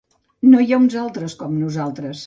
No hi ha uns altres com nosaltres.